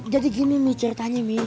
jadi gini mi ceritanya mi